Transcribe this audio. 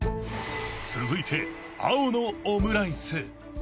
［続いて青のオムライス］